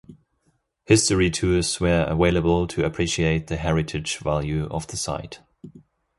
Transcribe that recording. History tours were available to appreciate the heritage value of the site.